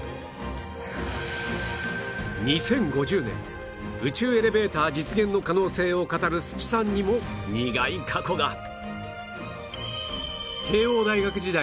２０５０年宇宙エレベーター実現の可能性を語る須知さんにも苦い過去が